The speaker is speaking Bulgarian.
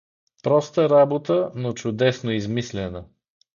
Проста работа, но чудесно измислена.